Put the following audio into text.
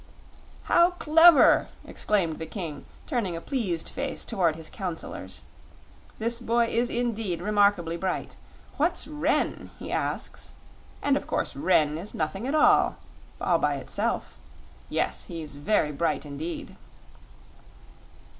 "How clever!" exclaimed the King, turning a pleased face toward his counselors. "This boy is indeed remarkably bright. 'What's 'ren'?' he asks; and of course 'ren' is nothing at all, all by itself. Yes, he's very bright indeed."